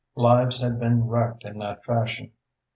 Lives had been wrecked in that fashion.